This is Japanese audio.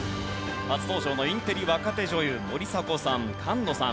初登場のインテリ若手女優森迫さん菅野さん。